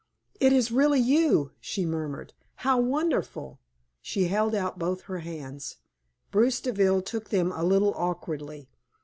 "It is really you!" she murmured. "How wonderful!" She held out both her hands. Bruce Deville took them a little awkwardly.